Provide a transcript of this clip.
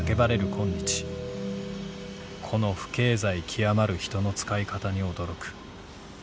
今日この不経済極まる人の使い方に驚く。